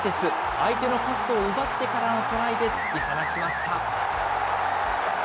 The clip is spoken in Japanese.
相手のパスを奪ってからのトライで、突き放しました。